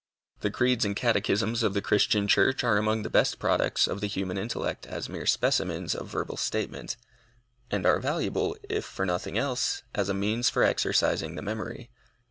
The creeds and catechisms of the Christian church are among the best products of the human intellect as mere specimens of verbal statement, and are valuable, if for nothing else, as a means for exercising the memory.